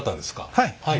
はい。